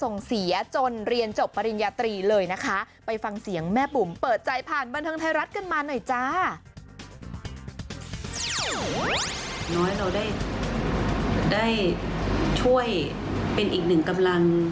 น้อยเราได้ช่วยเป็นอีกหนึ่งกำลัง